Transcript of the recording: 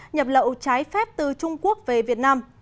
nhập lậu trái phép từ trung quốc về việt nam